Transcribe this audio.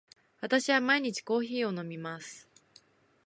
私は毎日コーヒーを飲みます。